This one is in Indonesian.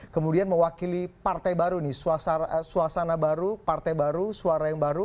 kemudian mewakili partai baru nih suasana baru partai baru suara yang baru